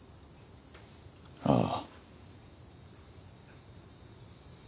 ああ。